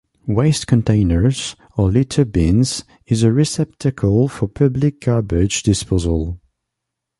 Waste containers or litter bins is a receptacle for public garbage disposal.